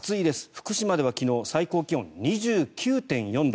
福島では昨日最高気温２９．４度。